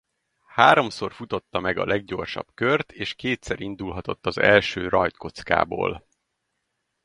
Háromszor futotta meg a leggyorsabb kört és kétszer indulhatott az első rajtkockából.